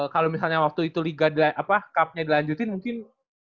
kalau misalnya waktu itu liga cup nya dilanjutin mungkin